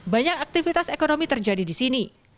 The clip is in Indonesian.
banyak aktivitas ekonomi terjadi di sini